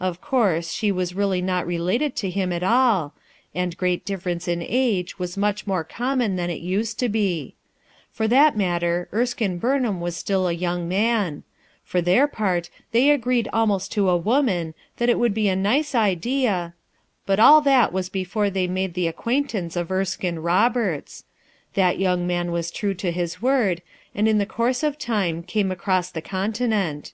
Of course she was really not related to him at all, and great difference in ago was much more "TWO, AND TOO, ASU TWO" 3S7 common than it used to be Fnr «,.,,,• r> i lhat matter Erskmc Burnham was still a y 0U11 g ^ their part, they agreed almost to a *«',.•»* iii . a "Oman that it would bo a race idi a — But all that was before they made the ac quaintance of Erskme Roberts Th*t man was true to his word, and in the course of time came across the continent.